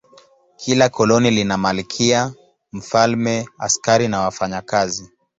Kila koloni lina malkia, mfalme, askari na wafanyakazi.